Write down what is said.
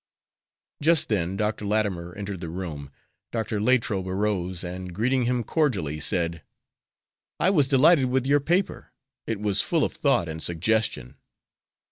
Just then Dr. Latimer entered the room. Dr. Latrobe arose and, greeting him cordially, said: "I was delighted with your paper; it was full of thought and suggestion."